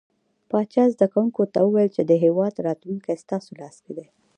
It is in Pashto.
پاچا زده کوونکو ته وويل چې د هيواد راتلونکې ستاسو لاس کې ده .